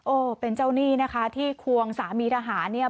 เป็นเจ้าหนี้นะคะที่ควงสามีทหารเนี่ย